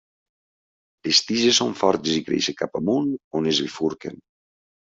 Les tiges són fortes i creixen cap amunt, on es bifurquen.